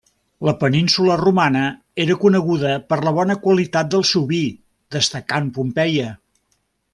La península romana era coneguda per la bona qualitat del seu vi, destacant Pompeia.